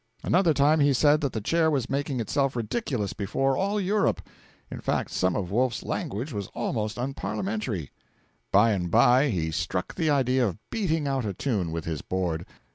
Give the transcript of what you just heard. Another time he said that the Chair was making itself ridiculous before all Europe. In fact, some of Wolf's language was almost unparliamentary. By and by he struck the idea of beating out a tune with his board.